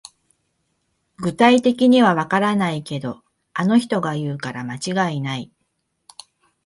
具体的にはわからないけど、あの人が言うから間違いない